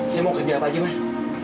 saya mau kerja apa aja mas